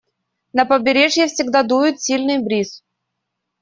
На побережье всегда дует сильный бриз.